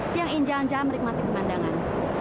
tiang ini jalan jalan menikmati pemandangan